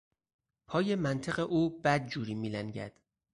پای منطق او بد جوری میلنگد.